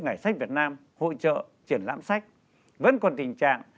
ngày sách việt nam hội trợ triển lãm sách vẫn còn tình trạng